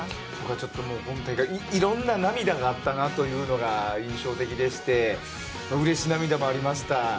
僕は今大会いろんな涙があったなというのが印象的でしてうれし涙もありました。